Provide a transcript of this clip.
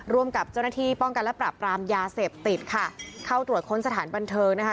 ร่วมกับเจ้าหน้าที่ป้องกันและปรับปรามยาเสพติดค่ะเข้าตรวจค้นสถานบันเทิงนะคะ